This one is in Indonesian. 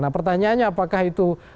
nah pertanyaannya apakah itu